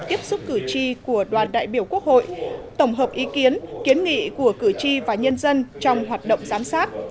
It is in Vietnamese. tiếp xúc cử tri của đoàn đại biểu quốc hội tổng hợp ý kiến kiến nghị của cử tri và nhân dân trong hoạt động giám sát